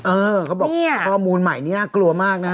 เออเขาบอกข้อมูลใหม่นี่กลัวมากนะเนี่ย